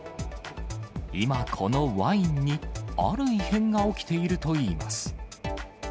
今、このワインにある異変が起きているといいます。